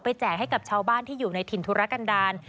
แจกให้กับชาวบ้านที่อยู่ในถิ่นธุรกันดาล